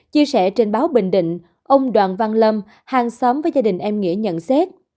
chia sẻ trên báo bình định ông đoàn văn lâm hàng xóm với gia đình em nghĩa nhận xét